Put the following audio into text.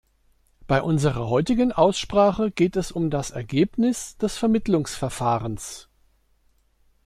Bei unserer heutigen Aussprache geht es um das Ergebnis des Vermittlungsverfahrens.